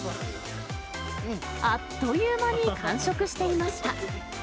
あっという間に完食していました。